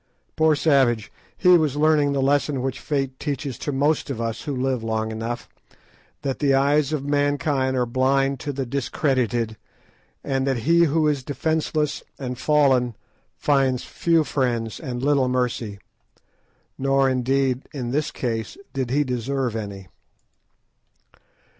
Poor savage! he was learning the lesson which Fate teaches to most of us who live long enough, that the eyes of mankind are blind to the discredited, and that he who is defenceless and fallen finds few friends and little mercy. Nor, indeed, in this case did he deserve any.